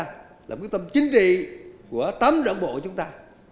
đây là quyết tâm chính trị của tấm đoạn bộ chúng ta